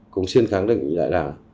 cùng xin khẳng định lại rằng